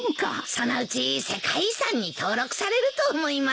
そのうち世界遺産に登録されると思います。